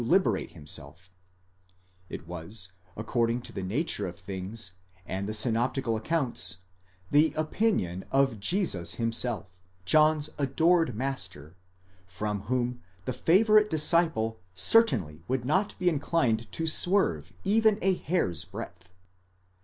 437 liberate himself; it was, according to the nature of things and the synoptical accounts, the opinion of Jesus himself, John's adored master, from whom the favourite disciple certainly would not be inclined to swerve even a hair's . breadth.